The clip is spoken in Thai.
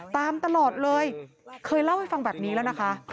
ตลอดเลยเคยเล่าให้ฟังแบบนี้แล้วนะคะ